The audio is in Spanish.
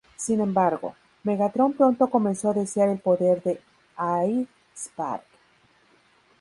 Sin embargo, Megatron pronto comenzó a desear el poder de AllSpark.